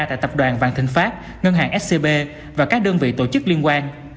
tại tập đoàn vạn thịnh pháp ngân hàng scb và các đơn vị tổ chức liên quan